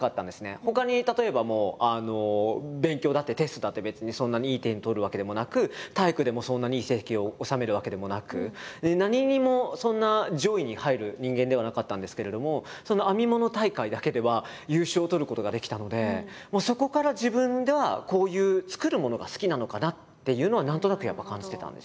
ほかに例えばもうあの勉強だってテストだって別にそんなにいい点取るわけでもなく体育でもそんなにいい成績を収めるわけでもなく何にもそんな上位に入る人間ではなかったんですけれどもその編み物大会だけでは優勝をとることができたのでそこから自分ではこういう作るものが好きなのかなっていうのは何となくやっぱ感じてたんですよ